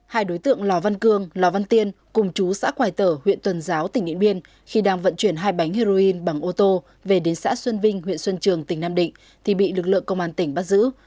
hai đối tượng lò văn cương lò văn tiên cùng chú xã quài tở huyện tuần giáo tỉnh điện biên khi đang vận chuyển hai bánh heroin bằng ô tô về đến xã xuân vinh huyện xuân trường tỉnh nam định thì bị lực lượng công an tỉnh bắt giữ